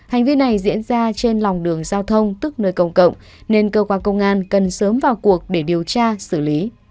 hành vi này diễn ra trên lòng đường giao thông tức nơi công cộng nên cơ quan công an cần sớm vào cuộc để điều tra xử lý